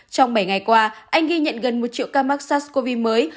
trong bảy ngày qua anh ghi nhận gần một triệu ca mắc sars cov hai mới